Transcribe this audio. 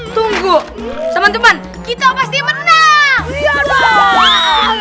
tunggu teman teman kita pasti menang